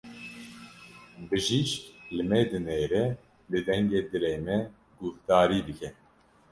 Bijîşk li me dinêre, li dengê dilê me guhdarî dike.